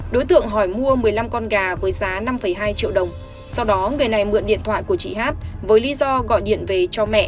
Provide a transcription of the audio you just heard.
đối tượng hỏi mua một mươi năm con gà với giá năm hai triệu đồng sau đó người này mượn điện thoại của chị hát với lý do gọi điện về cho mẹ